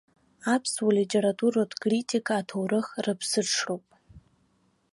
Аԥсуа литературатә критика аҭоурых рԥсыҽроуп.